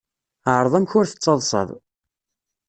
Ԑreḍ amek ur tettaḍsaḍ.